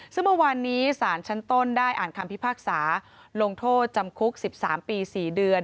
ซึ่งเมื่อวานนี้ศาลชั้นต้นได้อ่านคำพิพากษาลงโทษจำคุก๑๓ปี๔เดือน